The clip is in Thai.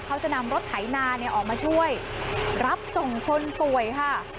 เขาจะนำรถไถนาออกมาช่วยรับส่งคนป่วยค่ะ